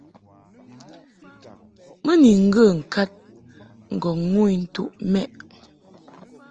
Mɨ ni ŋgə ŋkad ŋgɔŋ ŋu intuʼ mɛ›.